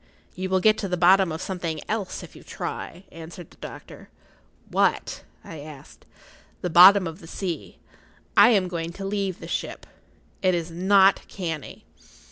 "You will get to the bottom of something else if you try," answered the doctor. "What?" I asked. "The bottom of the sea. I am going to leave the ship. It is not canny."